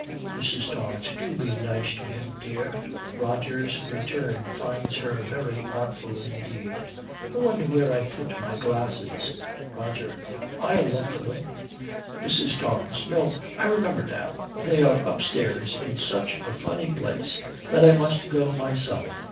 MRS. TORRANCE. 'Do be nice to him, dear.' Roger's return finds her very artful indeed, 'I wonder where I put my glasses?' ROGER. 'I'll look for them.' MRS. TORRANCE. 'No, I remember now. They are upstairs in such a funny place that I must go myself.